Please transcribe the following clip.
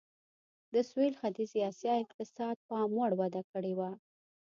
د سوېل ختیځې اسیا اقتصاد پاموړ وده کړې وه.